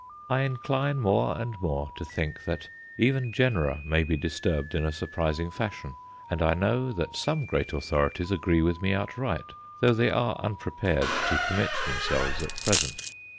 I incline more and more to think that even genera may be disturbed in a surprising fashion, and I know that some great authorities agree with me outright, though they are unprepared to commit themselves at present.